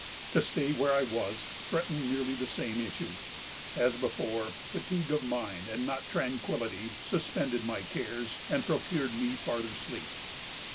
To stay where I was, threatened nearly the same issue. As before, fatigue of mind, and not tranquillity, suspended my cares, and procured me farther sleep.